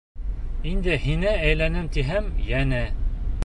Инде һиңә әйләнәм тиһәм, йәнә!..